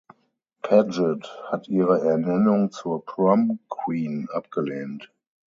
Padgett hat ihre Ernennung zur Prom Queen abgelehnt.